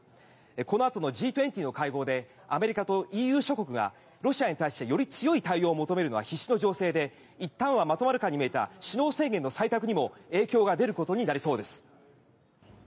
このあとのＧ２０の会合でアメリカとＥＵ諸国がロシアに対してより強い対応を求めるのは必至の情勢でいったんはまとまるかに見えた首脳宣言の採択にも影響が出ることになりそうです。